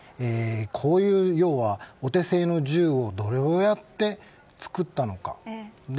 こういうお手製の銃をどうやって作ったのか。